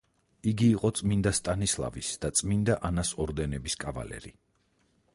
იგი იყო წმინდა სტანისლავის და წმინდა ანას ორდენების კავალერი.